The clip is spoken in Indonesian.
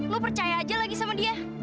lu percaya aja lagi sama dia